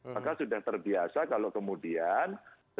maka sudah terbiasa kalau kemudian